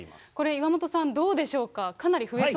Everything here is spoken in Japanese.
これ、岩本さん、どうでしょうか。